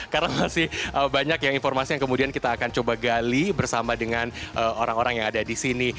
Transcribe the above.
karena masih banyak yang informasi yang kemudian kita akan coba gali bersama dengan orang orang yang ada di sini